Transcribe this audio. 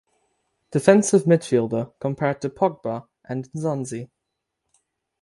Defensive midfielder compared to Pogba and Nzonzi.